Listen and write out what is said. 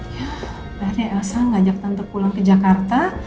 akhirnya elsa ngajak tante pulang ke jakarta